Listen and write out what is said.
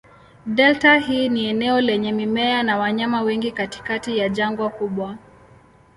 Delta hii ni eneo lenye mimea na wanyama wengi katikati ya jangwa kubwa.